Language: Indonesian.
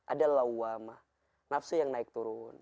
ada lawamah nafsu yang naik turun